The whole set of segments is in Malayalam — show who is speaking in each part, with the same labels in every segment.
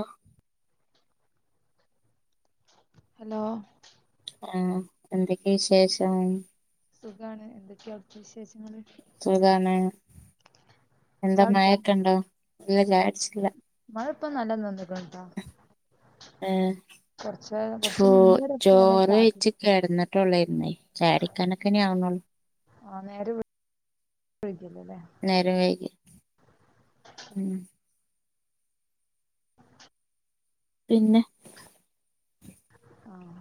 Speaker 1: ആഹ്
Speaker 2: ഹലോ
Speaker 1: ആഹ് എന്തെക്കെയ വിശേഷം
Speaker 2: സുഖാണ്. എന്തൊക്കെയാ അവിടുത്ത വിശേഷങ്ങള്?
Speaker 1: സുഖാണ് എന്താ
Speaker 2: ചായുടിച്ചാ
Speaker 1: മഴയൊക്കെ ഉണ്ടോ? ഇല്ല ചായ കുടിച്ചിട്ടില്ല.
Speaker 2: ആള് ഇപ്പം നല്ല [unintelligible]
Speaker 1: ഏഹ്
Speaker 2: കൊറച്ച് കൊറച്ച്
Speaker 1: ചോ
Speaker 2: മുന്നേ വരെക്കെ ഇങ്ങനെ
Speaker 1: ചോറ്
Speaker 2: ചാറ്റി
Speaker 1: കഴിച്ച് കെടന്ന് [unintelligible] ചാരിക്കാനെക്കെ ഇനി ആവുന്നുള്ളു
Speaker 2: ആഹ് നേരെ വീ [unintelligible]
Speaker 1: നേരം വൈകി മ്ഹ് പിന്നെ.
Speaker 2: ആഹ്.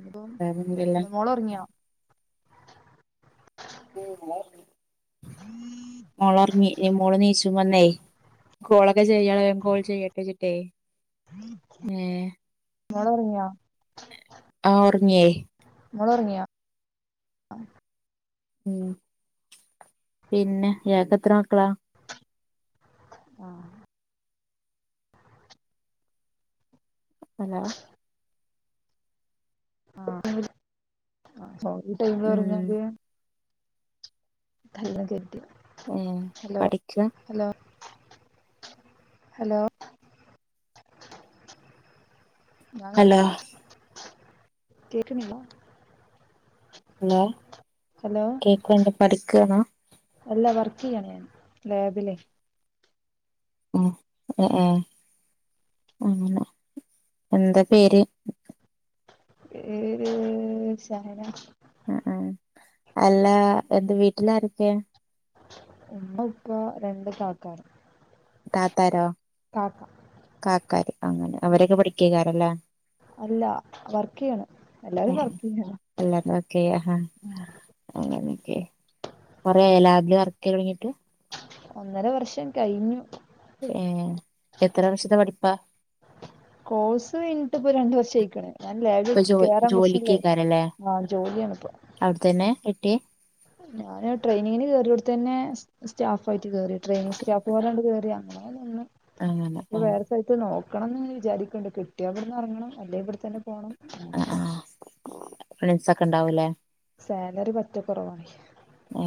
Speaker 2: ഇപ്പം
Speaker 1: വേറെന്തെല്ലാം
Speaker 2: ഇപ്പ മോളൊറങ്ങിയോ?
Speaker 1: പിന്നെ. മോളൊറങ്ങി ഇനി മോള് നീച്ചും വന്നേയ് കോളക്ക് എന്താ ചെയ്യണെ കോൾ ചെയ്യട്ടെ ചിട്ടേ ഏഹ്.
Speaker 2: മോളൊറങ്ങിയോ?
Speaker 1: ആഹ് ഒറങ്ങിയേ.
Speaker 2: ങ്ങളൊറങ്ങിയാ ആ
Speaker 1: ഊം പിന്നെ ഇയാക്കെത്ര മക്കളാ
Speaker 2: ആ
Speaker 1: ഹലോം
Speaker 2: ആ ആ ഒരു ടൈം
Speaker 1: ഉം
Speaker 2: പറഞ്ഞത് കല്ല് കെട്ടിയാ
Speaker 1: ഊം പഠിക്ക
Speaker 2: ഹലോ ഇതാ
Speaker 1: ഹലോ
Speaker 2: വർക്ക് കേക്കണില്ല
Speaker 1: ഹലോ
Speaker 2: ഹലോ
Speaker 1: കേക്കൺണ്ട് പഠിക്കേണാ
Speaker 2: കിയാണ് ഞാൻ ലാബിലേ
Speaker 1: ഉം അ ആ ഉം എന്താ പേര്
Speaker 2: പേര് സഹന
Speaker 1: ഉം ഉം അല്ല അത് വീട്ടിലാരൊക്കെ
Speaker 2: ഉമ്മ ഉപ്പ രണ്ട് കാക്കാനും
Speaker 1: താത്താരോ കാക്കാര് അങ്ങനെ അവരൊക്കെ പഠിക്കക്കാരല്ലേ
Speaker 2: വർക്കെയ്യണം എല്ലാരും വർക്കെയ്യണം
Speaker 1: അങ്ങനെക്കെ കൊറെയായല്ലാ അതില് വർക്ക് കഴിഞ്ഞിട്ട്
Speaker 2: ഒന്നര വർഷം കഴിഞ്ഞു
Speaker 1: ഏ എത്രവർഷത്തെ പഠിപ്പാ
Speaker 2: കോഴ്സ് കഴിഞ്ഞിട്ടിപ്പ രണ്ട് വർഷ ആയി
Speaker 1: ഇപ്പൊ ജോ ജോലിക് അയ് കാരല്ലേ
Speaker 2: ആഹ് ജോലിയാണിപ്പോ
Speaker 1: അവ്ടതന്നെ കിട്ടിയ..
Speaker 2: ഞാന് ട്രെനിങ്ങിന് കയറി യോട തന്നെ സ്റ്റാഫായിട്ട് കേറി ട്രെയിനിങ് സ്റ്റാഫ്ലേകേറിയ..
Speaker 1: അങ്ങനെ
Speaker 2: ഇപ്പൊ
Speaker 1: ഏ
Speaker 2: വേറെ സ്ഥലത്ത് നോക്കണംന്ന് വിചാരിക്ക്ണ്ട് കിട്ടിയായവിടുന്ന് അറങ്ങണം അല്ലെങ്കിഇവിടെത്തന്നെ പോണം.
Speaker 1: ആ
Speaker 2: അങ്ങനൊക്കെ
Speaker 1: ആ ഫ്രണ്ട്സ് ഒക്കെ ഉണ്ടാവൂല്ലേ.
Speaker 2: സാലറി പറ്റെ കൊറവാ..
Speaker 1: ഹേ..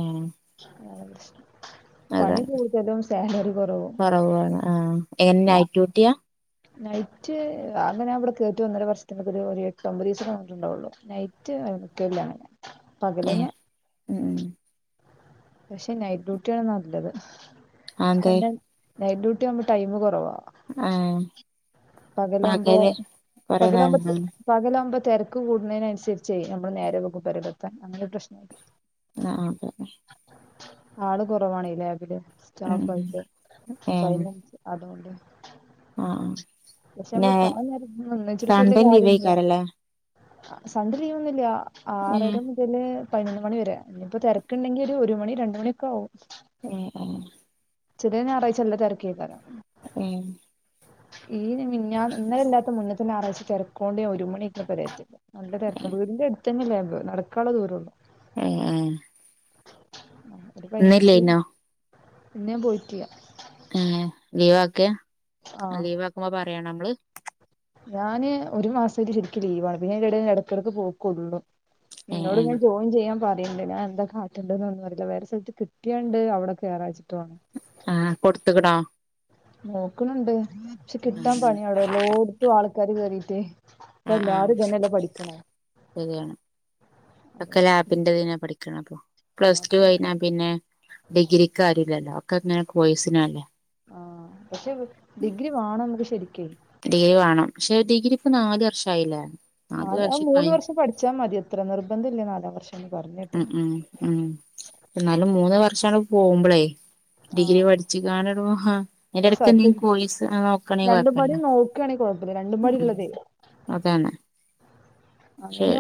Speaker 1: അതെ
Speaker 2: പണി കൂടുതലും സാലറി കുറവും
Speaker 1: കൊറവാണ് ആ എൻനൈ റ്റ്യൂട്ടിയാ...
Speaker 2: നൈറ്റ് അങ്ങനെ അവിടെ കേറിട്ട് ഒന്നര വർഷത്തിനക്ക ഒരു എട്ട് ഒമ്പത് ദിവസ നിന്നിട്ടുണ്ടാ കൊള്ളു നൈറ്റ്. കോണ് ഞ
Speaker 1: ഏ
Speaker 2: പകലന്നെ
Speaker 1: ഉം ഉം
Speaker 2: [unintelligible] [unintelligible] പക്ഷെ നൈറ്റ് ഡ്യൂട്ടിയ ആണ് നല്ലത്.
Speaker 1: അതെ
Speaker 2: കാരണം നൈറ്റ് ഡ്യട്ടി ആവുമ്പോ ടൈ കൊറവാ
Speaker 1: പകല് കൊറേ
Speaker 2: പകലാക്മ്പോപകലാമ്പക്ക്
Speaker 1: നേരം
Speaker 2: പകലമ്പത്ത് തെരക്ക് കൂടുന്നീനനുസരിച് നമ്മൾ നേരെ വെകും പെരിലെ പത്താൻ അങ്ങനെ തെ
Speaker 1: ആ അതെ
Speaker 2: ആള് കുറവാണ് ലാബില് സ്റ്റാഫ്
Speaker 1: ഉം
Speaker 2: ആയിട്ട് അയ്ന് അൻസരിച്സ് അതോകൊണ്ട്
Speaker 1: ആഹ ഹ
Speaker 2: പക്ഷെ നമ്മള് തോനെ നേരം നിന്നെച്ചിട്ട് വല്യയ
Speaker 1: സൺഡേ
Speaker 2: കാര്യംല്ല.
Speaker 1: ലീവേക്കാരല്ലേ
Speaker 2: സൺഡേ ലീവെന്നില്ല
Speaker 1: ഏ
Speaker 2: ആറര മുതല് പതിനൊന്ന് മണി വരെ ഇനിയിപ്പോ തെരക്ക്ണ്ടെങ്കിൽ ഒരു മണി രണ്ട് മണിയൊക്കെ ആവും.
Speaker 1: ഹേ ഹേ
Speaker 2: ചെലെ ഞായറായ്ച്ച നല്ല തെരക്ക് യ്കാരം.
Speaker 1: ഉം
Speaker 2: ഈ മിനിഞ ഇന്നലെല്ലാത്ത മുന്നേത്തെ ഞായറാഴ്ച തെരക്കോണ്ടെ ഒരു മണിയ്ക്ക്ണ്പരെല് എന്തയാപ്പോ നല്ല
Speaker 1: ഏ
Speaker 2: തെരക്കാ വീടിന്റെ എടുത്തെ ന്നെല്ല നടക്കാനുള്ള ദൂരള്ളൂ.
Speaker 1: ഹേ ഹേ ന്നല്ലനോ
Speaker 2: ഇന്ന് ഞാൻ പോയിട്ടില്ല
Speaker 1: ഏ ലീവ് ആക്കേ
Speaker 2: ആഹ്
Speaker 1: ലീവ് ആക്കുമ്പോ പറയാണോ നമ്മള്.
Speaker 2: ഞാന് ഒരു മാസം ശരിക്കും ലീവാണ് പിന്നെ അയ്ന്റെ ഇടക്കിടയ്ക്ക് പോ കോള്ളു.
Speaker 1: ഏ
Speaker 2: നിന്നോട്
Speaker 1: ഏ
Speaker 2: ങ്ങനെ ജോയിൻ ചെയ്യാൻ പറ ണ്ട് ഞാൻ എന്താ കാട്ടെ ണ്ടെന്നെന്നും അറയില്ല വേറെ സ്ഥലത്ത് കിട്ടിയെണ്ട് അവെടെ കേറാച്ചി ട്ടാ
Speaker 1: ആഹ് കൊടുത്ത് ക്ണോ.
Speaker 2: നോക് ണ്‌ണ്ട് പക്ഷെ കിട്ടാൻ പണിയാടോ എല്ലോ ട്ത്തും ആൾക്കാര് കേറീട്ടേ
Speaker 1: ആ ആ ആ
Speaker 2: ഇപ്പോഎല്ലാരും ഇതന്നെല്ലെപഠിക്കെ ണെ
Speaker 1: ശരിയാണ് ഒക്കെ ലാബിന്റെ ഇതിനാ പഠിക് ണെഅപ്പൊ പ്ലസ് ടു
Speaker 2: ആഹ്
Speaker 1: കൈഞ്ഞാപിന്നെ ഡിഗ്രിരിക്ക് ആര്ല്ലല്ലോ ഒക്കെ ഇങ്ങന കോയിസിനല്ലേ.
Speaker 2: ആ പക്ഷെ ഡിഗ്രി വാണം നമുക്ക് ശരി
Speaker 1: ഡിഗ്രി വാണം പക്ഷെ ഡിഗ്രി ഇപ്പൊ നാല് വർഷ ആയില്ലേ.
Speaker 2: ആ ആ മൂന്ന് വർഷം പഠിച്ചാ മതി ത്ര നിർബന്ധ ഇല നാലാം വർഷം ഒന്നും.
Speaker 1: ഉം ഉം ഉം എന്നാലും മൂന്ന് വർഷങ്ങട് പോകുമ്പളേ
Speaker 2: ആ
Speaker 1: ഡിഗ്രി പഠിച്കാണ്ട് ടോ
Speaker 2: ഒരു
Speaker 1: എന്റെടക്ക്
Speaker 2: സർട്ടി
Speaker 1: എന്തെങ്കും കോയിസ് നോക്കാണെങ്കി കൊയപ്പല്ല.
Speaker 2: ആ രണ്ടും പാടെള്ളത്.
Speaker 1: ശരി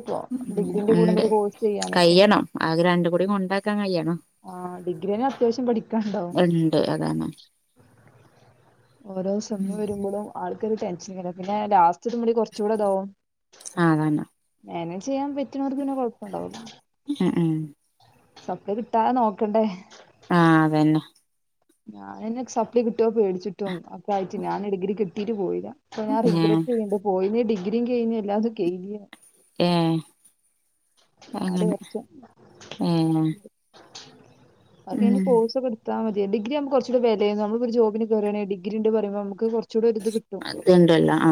Speaker 2: ഇപ്പോ
Speaker 1: ഉ
Speaker 2: ഡിഗ്രീന്റെ കൂടെ
Speaker 1: ഉണ്ട്
Speaker 2: എന്തൊരു കോഴ്സ്
Speaker 1: കയ്യണം അത് രണ്ട് കൂടി കൊണ്ടാക്ക
Speaker 2: ആഹ ഡിഗ്രിനെ അത്യാവശ്യം പഠിക്കാണ്ടാകും.
Speaker 1: ഉണ്ട് അതാണ്
Speaker 2: ഓരോ സമയം വരുമ്പോഴും ആൾ ടെൻഷനൈകാരംപിന്നെ ലാസ്റ്റ് എത്തുമ്പോ കൊറച് കൂടെതാകും
Speaker 1: ആ അതാണ്
Speaker 2: അങ്ങനെ ചെയ്യാൻ പറ്റ പറ്റൂനേർക്ക് പിന്നെ കൊഴപ്പം ഉണ്ടാകൂല്ല.
Speaker 1: ഉം ഉം
Speaker 2: സപ്ളെ കിട്ടാതെ നോക്കണ്ടേ.
Speaker 1: ആഹ് അതന്നെ
Speaker 2: ഞാനന്നെ സപ്ലി കിട്ടോ പേടിച്ചിട്ടും അപ്പ ആയിട്ട് ഞാൻ ഡിഗ്രി കിട്ടീട്ട് പോയില്ല ഇപ്പൊ ഞാൻ
Speaker 1: ഏഹ്
Speaker 2: റിഗ്രെറ്റ് ചെയ്യുണ്ട് പോയങ്കി ഡിഗ്രീം കഴിഞ്ഞ് എല്ലാ
Speaker 1: ഏ
Speaker 2: നാല്
Speaker 1: അങ്ങന
Speaker 2: വർഷം
Speaker 1: ഏ
Speaker 2: ഇനി കോഴ്സോക്കെടുത്താ മതി ഡിഗി ആമ്പോ കൊച്ചുടി വെലയാ നമ്മക്ക് ഒരു ജോബിന് കേറണേ ഡിഗ്രിഡ് പറയുമ്പോ നമുക്ക് കുറ
Speaker 1: അതണ്ടല്ല ആ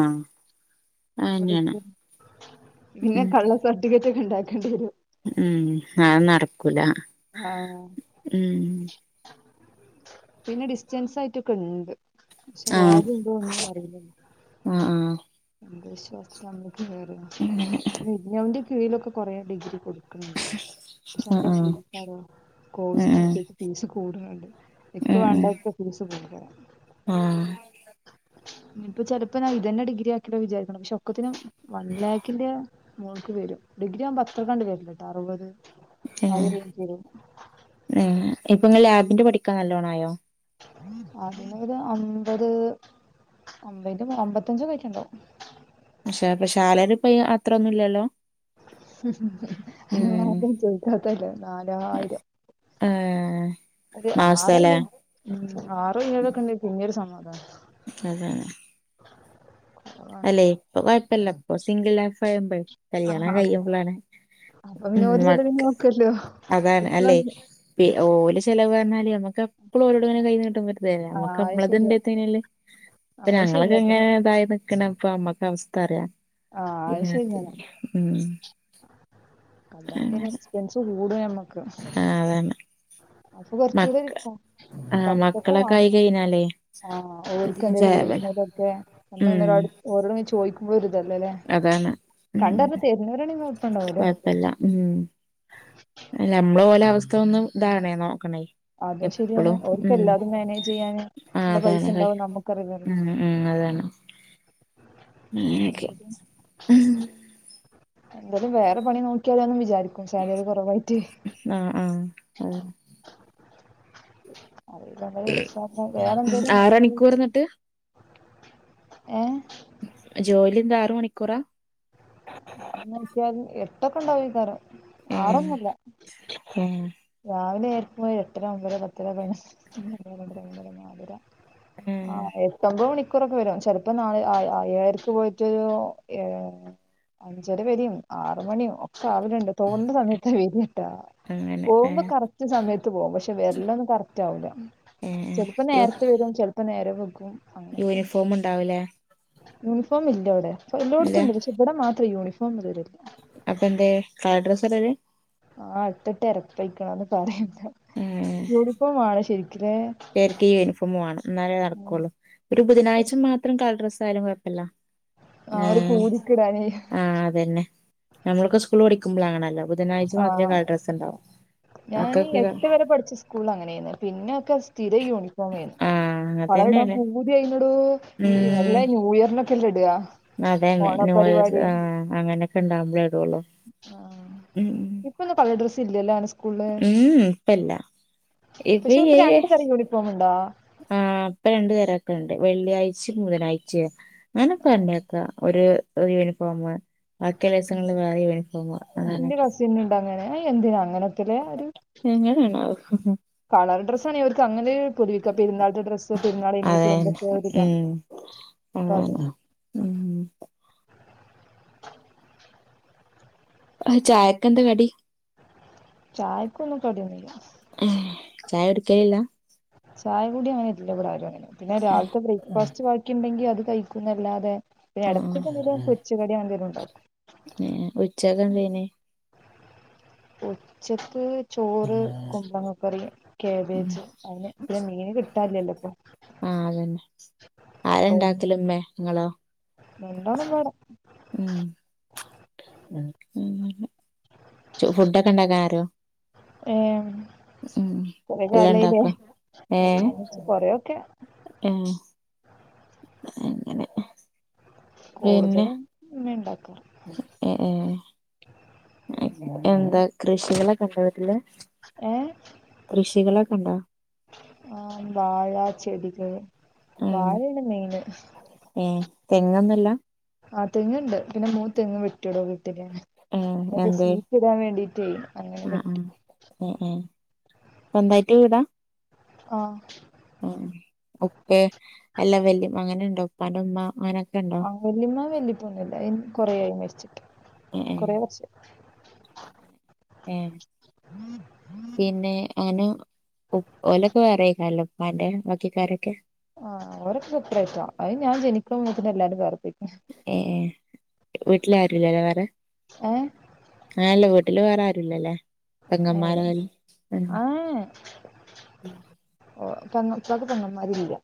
Speaker 2: പിന്നെ
Speaker 1: ഉം
Speaker 2: കള്ള സർട്ടിഫിക്കറ്റ് ഒക്കെ ഇണ്ടാക്കേണ്ടി വരും
Speaker 1: ഉം അ നടക്കൂല
Speaker 2: ആഹ്
Speaker 1: ഉം.
Speaker 2: പിന്നെ ഡിസ്റ്റൻസ് ആയിറ്റോക്കിണ്ട്. ക്ഷെ
Speaker 1: ആഹ്
Speaker 2: വ്യാജം ണ്ടോ ഒന്നും അറില്ല.
Speaker 1: ആഹ് ആഹ്
Speaker 2: എന്ത് വിശ്വാസ്ത്തിലാ മ്മള് ഇഗ്നുന്റെ കീഴിലൊക്കെ കൊറ ഡിഗ്രി കൊടു
Speaker 1: ആഹ്
Speaker 2: നല്ല
Speaker 1: ഉം
Speaker 2: ഫീസടാ കോഴ്സിനു
Speaker 1: ഉം
Speaker 2: [inaudible] കൂടലുണ്ട്
Speaker 1: ഉം
Speaker 2: എക്ക്
Speaker 1: ഉം
Speaker 2: വേണ്ടക്കെ ഫീസ് കൂടുതല
Speaker 1: ആഹ്
Speaker 2: ഇ ഇപ്പ ചിലപ്പോ നാ ഇതന്നെ ഡിഗ്രി ആക്കിട്ട വിചാരിക്കണ് പക്ഷെ ഒക്കത്തിനും വല്ലായിക്കില്ല മോക്ക്‌ വരും ഡിഗ്രി ആമ്പ അത്രക്കണ്ട് വരില്ല കേട്ട അറുവത്
Speaker 1: ഉം ഉം ഇപ്പൊ ഈ ലാബിന്റെ പഠിക്കാൻ നല്ലോണായോ
Speaker 2: അതിനൊരമ്പത് ഒമ്പെന്റെ അമ്പത്തഞ്ച് ഒക്കെ ഇണ്ടാവും
Speaker 1: പക്ഷേ പക്ഷാലരി പ്പ അത്രൊന്നുല്ലല്ലൊ
Speaker 2: [unintelligible] അത് മാത്രം ചോയിക്കാത്തല്ലേ നാലായിരം
Speaker 1: ആ
Speaker 2: ഒരു ആറ് [inaudible] ആറൊ ഏഴൊക്കെ ഇണ്ടാര്ന്നെ പിന്നെം ഒരു സമാധാനം
Speaker 1: ഉം
Speaker 2: അതാണ്
Speaker 1: അല്ലെ ഇപ്പൊ കൊഴപ്പല്ല, ഇപ്പ സിംഗിൾ ലൈഫ് ആവുമ്പയ്,
Speaker 2: ആഹ്
Speaker 1: കല്യാണം
Speaker 2: ആഹ്
Speaker 1: കഴിയുമ്പളാണ്
Speaker 2: അപ്പൊ പിന്നെ ഓര്
Speaker 1: ഉം
Speaker 2: ചെലവിന്
Speaker 1: അക്ക്
Speaker 2: നോക്കല്ലോ
Speaker 1: അതാണ് അല്ലെ
Speaker 2: ഇപ്പളാണ്
Speaker 1: പെ ഓല് ചെലവ് പറഞ്ഞാല് നമ്മക്ക് എപ്പളും ഒരോടിങ്ങന കൈ നീട്ടാൻ പറ്റുത്തില്ലല്ലോ
Speaker 2: ആഹ്
Speaker 1: നമ്മക്ക്
Speaker 2: അത് ശരിയാ
Speaker 1: നമ്മതിണ്ടെതന്നെല്
Speaker 2: ആ
Speaker 1: പ്പ
Speaker 2: അത്
Speaker 1: ഞങ്ങളക്ക
Speaker 2: ശരിയാട്ടോ
Speaker 1: ഇങ്ങനെ ഇതായി നിക്കണ് പ്പ അമ്മക്ക് അവസ്ഥത്താറിയാം
Speaker 2: ആഹ് അത്
Speaker 1: ഇനാത്ത്
Speaker 2: ശരിയാണ്
Speaker 1: ഉം
Speaker 2: കല്യാണം കൈഞ്ഞ എക്സ്പെൻസ് കൂടു നമ്മക്ക്
Speaker 1: ആ അതന്നെ
Speaker 2: അപ്പൊ കൊറച്ചൂട ഇരിക്ക
Speaker 1: ആഹ്
Speaker 2: പത്തൊക്ക
Speaker 1: മക്കളൊക്കെ ആയി
Speaker 2: വേണം
Speaker 1: കഴിഞ്ഞാലേ
Speaker 2: ആ
Speaker 1: അധികം
Speaker 2: ഓർക്കെന്തേലും
Speaker 1: ചെലവല്ല.
Speaker 2: പേടിക്കണതൊക്കെ
Speaker 1: ഉം
Speaker 2: ഒരോട് പോയി ചോദിക്കുമ്പോഴൊരു
Speaker 1: അതാണ് ഉം
Speaker 2: തരുന്നവരാണെങ്കിൽ കുഴപ്പമുണ്ടാവൂല
Speaker 1: കൊഴപ്പല്ല ഉം ല്ല നമ്മള് പോലെ അവസ്ഥ ഒന്നും ധാണെ നോ ണെ
Speaker 2: അതും ശരിയാണ്
Speaker 1: എപ്പോളും
Speaker 2: ഓർക്ക്
Speaker 1: ഉം
Speaker 2: എല്ലാതും മാനേജ് ചെയ്യാന്
Speaker 1: ആ
Speaker 2: ഉള്ള പൈസ
Speaker 1: അതാണ്
Speaker 2: ഉണ്ടാവും നമുക്കറിയില്ലല്ലോ
Speaker 1: ഉം ഉം അതാണ് ഉം ക്കെ ഉം
Speaker 2: എന്തേലും വേറെ പണി നോക്കിയാലോന്ന് വിചാരി സാലറി കൊറവായിട്ട്
Speaker 1: ആഹ് ആഹ്
Speaker 2: അത് കൊറെ വേറെന്തേലും
Speaker 1: ആറ് മണിക്കൂർ
Speaker 2: നോക്കിനിപ്പം
Speaker 1: എന്നിട്ട്
Speaker 2: ഏ
Speaker 1: ജോലി എന്താ ആറ് മണിക്കൂറാ
Speaker 2: എന്ന് വെച്ചാൽ എട്ടൊക്കിണ്ടാവല്
Speaker 1: ഏഹ്
Speaker 2: ആറൊന്നുല്ല
Speaker 1: ഏഹ്
Speaker 2: രാവിലെ എര്ക്കുമ്പോ ഒര് എട്ടര ഒമ്പര പത്തര പതിനൊന്ന് [inaudible]
Speaker 1: ഏഹ്
Speaker 2: ആഹ് എട്ട് ഒമ്പത് മണി [unintelligible] വരും ചെലപ്പോ നാളെ ആ ആ ഏഴരക്ക് പോയിട്ട് ഏഴ് അഞ്ചര വരും ആറ് മണിയാവും ഒക്കെ ആവല് ഉണ്ട് തോന്നുന്ന സമയത്താ വര്ട്ടാ
Speaker 1: അങ്ങനെ
Speaker 2: പോവുമ്പോ
Speaker 1: ഏഹ്
Speaker 2: കറക്റ്റ് സമയത്ത് പോവും പക്ഷെ വരലൊന്നും കറക്റ്റ് ആവൂല
Speaker 1: ഏഹ്
Speaker 2: ചെലപ്പോ
Speaker 1: യു
Speaker 2: നേരെത്തെ വരും ചെലപ്പോ നേരം നേരം വൈകും
Speaker 1: യൂണിഫോം ഉണ്ടാവൂലേ
Speaker 2: യൂണിഫോം ഇല്ല ഇവിടെ എല്ലടത്തുമുണ്ട് പക്ഷെ ഇവിടെ മാത്രം യൂണിഫോം ഇതുവരെ ഇല്ല
Speaker 1: അപ്പ എന്തെ കളർഡ്രസ്സായിടല്
Speaker 2: ആ ഇട്ടിട്ട് എരപ്പിക്കണന്ന് പറയും
Speaker 1: ഏഹ്
Speaker 2: യൂണിഫോം ആണ് ശരിക്കലേ
Speaker 1: ചെലർക്ക് യൂണിഫോം വേണം എന്നാലേ നടക്കുള്ളൂ ഒരു ബുധനാഴ്ച മാത്രം കളഡ്രസ്സ് ആയാലും കുഴപ്പമില്ല ആ
Speaker 2: ഒരു പൂതിക്കിടാന്
Speaker 1: ആ അതന്നെ നമ്മളൊക്കെ സ്കൂൾ പഠി- ക്കുമ്പളാണല്ല ബുധനാഴ്ച മാത്രമേ
Speaker 2: ആഹ്
Speaker 1: കളർ ഡ്രസ്സ്ണ്ടാവും
Speaker 2: ഞാൻ
Speaker 1: മക്കക്ക്
Speaker 2: എട്ട് വരെ പഠിച്ച സ്കൂൾ അങ്ങനെയന്ന് പിന്നെൊക്കെ സ്ഥിര യൂണിഫോം ആണ്
Speaker 1: ആഹ്
Speaker 2: കളർ ഇടാൻ
Speaker 1: അങ്ങൻതന്നെയാണ്
Speaker 2: പൂതി അയിതിനോട വല്ല ന്യൂ ഇയറിന് ക്കല്ലേയിടുക
Speaker 1: അതെന്നെ ന്യൂ ഇയർ ആ അങ്ങനൊക്കെ ഉണ്ടാവകുമ്പോളേ ഇടുള്ളു ഉം
Speaker 2: ഇപ്പൊന്നും കളർ ഡ്രസ്സ് ഇല്ലല്ലോ അങ്ങനെ സ്കൂളില്
Speaker 1: ഉം ഇപ്പല്ല ഇത്
Speaker 2: പക്ഷെ അവർക്ക് രണ്ട് തരം യൂണിഫോം ഉണ്ടാ
Speaker 1: ആ അപ്പൊ രണ്ടു തരമൊക്കെ ഉണ്ട് വെള്ളിയാഴ്ച ബുധനാഴ്ച ഞാനൊക്ക തന്നക്കാ ഒരു യൂണിഫോമ ബാക്കിയ ദിവസങ്ങളിൽ വേറെ യൂണിഫോമാ
Speaker 2: എന്റെ
Speaker 1: അങ്ങനെക്കെ
Speaker 2: കസിനുണ്ട് അങ്ങനെ ആ എന്തിനാ അങ്ങന
Speaker 1: എങ്ങനാണാവോ
Speaker 2: കളർ ഡ്രസ്സ് ആണെ അവർക്ക് അങ്ങനെ ഒരു ഉപയോഗിക്ക പെരുന്നാളിന്റെ ഡ്രെസ് പരുന്നാൾ കഴിഞ്ഞ ഇടുമ്പത്തെ ഒരിതാ
Speaker 1: അത് തന്ന ഉം ആ ചായക്ക് എന്താ കടി
Speaker 2: ചായക്കൊന്നും കടിയെന്നുല്ല
Speaker 1: ചായ കുടിക്കലേയില്ല
Speaker 2: ചായ കൂടി അങ്ങനെ ഇല്ല ഇവിടെ ആരും അങ്ങനെ പിന്നെ രാവിലത്തെ ബ്രേക്ക്ഫാസ്റ്റ് ബാക്കിയുണ്ടെങ്കി അത് കഴിക്കുന്നല്ലാതെ പിന്നെ ഇടക്ക് എന്തെങ്കിലും
Speaker 1: ആഹ്
Speaker 2: പൊരിച്ച കടി എന്തിലും ഉണ്ടാക്കും
Speaker 1: ഏഹ് ഉച്ചക്കെന്തേനി
Speaker 2: ഉച്ചക്ക് ചോറ് കുമ്പങ്ങ കറി കാബേജ് അതിന് പിന്നെ മീന് കിട്ടല്ലല്ലോ ഇപ്പൊ
Speaker 1: ആഹ് അതന്നെ ആരാ ഇണ്ടാക്കല് ഇമ്മേ ഇങ്ങളോ
Speaker 2: എന്തോണ്
Speaker 1: ഉം ഫുഡൊക്കെ ഉണ്ടാക്കാൻ അറിയോ
Speaker 2: ഏ
Speaker 1: ളം
Speaker 2: കൊറെ കാലായില്ലേ
Speaker 1: എല്ലാമുണ്ടാക്കും ആ
Speaker 2: എല്ലാന്ന് വെച്ച് കൊറെയൊക്കെ
Speaker 1: ആ
Speaker 2: കൂടുതലും ഉമ്മ ഉണ്ടാക്കും
Speaker 1: ഏ എ എന്താ കൃഷികളൊക്കെ ഉണ്ടോ വീട്ടില്
Speaker 2: ഏ
Speaker 1: ഉണ്ടാ
Speaker 2: ആ വാഴാ ചെടികൾ
Speaker 1: ഉം
Speaker 2: വാഴയാണ് മെയിന്
Speaker 1: തെങ്ങന്നൂല്ല
Speaker 2: ആ തെങ്ങുണ്ട് ആ പിന്നെ മൂ തെങ്ങ് വെട്ടിയടോ
Speaker 1: ഏഹ് എന്തേ
Speaker 2: ഷീറ്റ് ഇടാൻ വേണ്ടീട്ടെ അങ്ങനെ
Speaker 1: ആഹ്
Speaker 2: വെട്ടി
Speaker 1: ആഹ് ഏഹ് ഏഹ് സ്വന്തായിട്ട് വീടാ
Speaker 2: ആ
Speaker 1: ആ ഉപ്പ് എല്ലാം വല്യ അങ്ങനെണ്ട് ഉപ്പന്റെ ഉമ്മ അങ്ങനെ
Speaker 2: ആ വല്ലിമ്മ വല്ലിയപ്പൊന്നും ഇല്ല കൊറെയായി മരിച്ചിട്ട്
Speaker 1: ഏഹ്
Speaker 2: കൊറെേ വർഷം
Speaker 1: ആ പിന്നെ അങ്ങനെ ഓലൊക്കെ വേറെക്കണല്ലോ ഉപ്പാന്റെ ബാക്കിക്കാരൊക്കെ
Speaker 2: ആ ഓരൊക്കെ സെപ്പറേറ്റാ അത് ഞാൻ ജനിക്കുമുമ്പോ എല്ലാവരും വേറെ പോയി
Speaker 1: ഏ വീട്ടില് ആരുമില്ലല്ലേ വേറെ
Speaker 2: ഏ
Speaker 1: ആല്ല വീട്ട വീട്ടില് വേറെ ആരുമില്ലല്ലേ
Speaker 2: ഏ
Speaker 1: [unintelligible] ഏ
Speaker 2: [unintelligible] പെങ്ങമ്മരില്ല.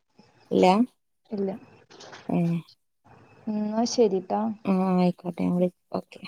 Speaker 1: ഇല്ലാ ഏ
Speaker 2: ന്ന ശെരി.
Speaker 1: ആ ആയിക്കോട്ടെ വുളി ഓക്കെ.